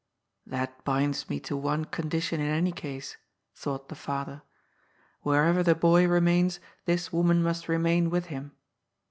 '^ That binds me to one condition in any case," thought the father. ^' Wherever the boy remains, this woman must remain with him.